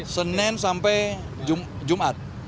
senin sampai jumat